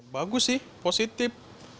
bagus sih positif